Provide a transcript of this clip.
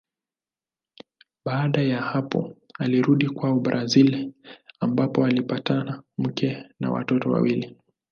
Baada ya hapo alirudi kwao Brazili ambapo alipata mke na watoto wawili.